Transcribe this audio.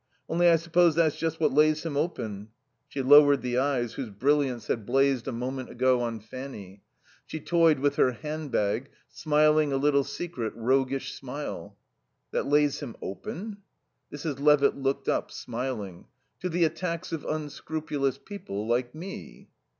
Only I suppose that's just what lays him open " She lowered the eyes whose brilliance had blazed a moment ago on Fanny; she toyed with her handbag, smiling a little secret, roguish smile. "That lays him open?" Mrs. Levitt looked up, smiling. "To the attacks of unscrupulous people like me."